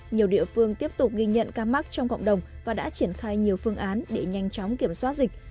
nhiều địa phương tiếp tục ghi nhận ca mắc trong cộng đồng và đã triển khai nhiều phương án để nhanh chóng kiểm soát dịch